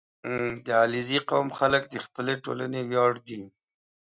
• د علیزي قوم خلک د خپلې ټولنې ویاړ دي.